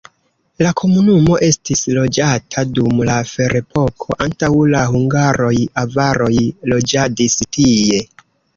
La komunumo estis loĝata dum la ferepoko, antaŭ la hungaroj avaroj loĝadis tie.